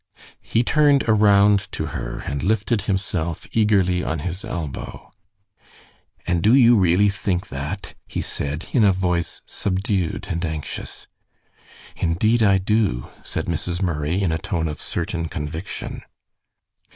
He turned around to her and lifted himself eagerly on his elbow. "And do you really think that?" he said, in a voice subdued and anxious. "Indeed I do," said Mrs. Murray, in a tone of certain conviction.